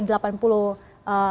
jadi bagaimana bagaimana bagaimana